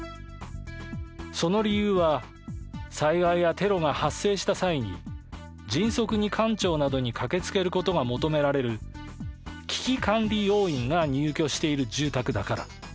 その理由は災害やテロが発生した際に迅速に官庁などに駆けつけることが求められる危機管理要員が入居している住宅だから。